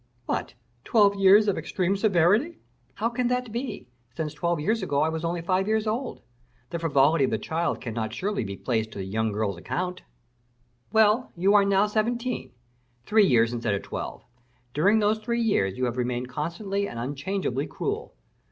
"What! twelve years of extreme severity." "How can that be, since twelve years ago I was only five years old? The frivolity of the child cannot surely be placed to the young girl's account." "Well! you are now seventeen; three years instead of twelve. During those three years you have remained constantly and unchangeably cruel.